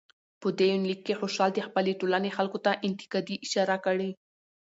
په دې يونليک کې خوشحال د خپلې ټولنې خلکو ته انتقادي اشاره کړى